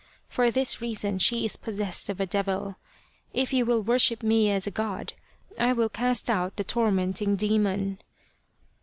For this reason she is possessed of a devil. If you will worship me as a god, I will cast out the tormenting demon."